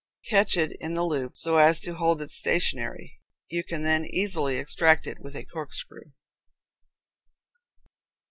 Catch it in the loop, so as to hold it stationary. You can then easily extract it with a corkscrew.